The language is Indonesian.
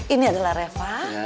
ini adalah reva